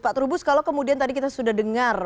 pak trubus kalau kemudian tadi kita sudah dengar